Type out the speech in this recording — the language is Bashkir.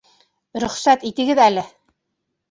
Рөхсәт итегеҙ әле!